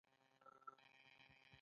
انرژي څښاک زړه ته زیان لري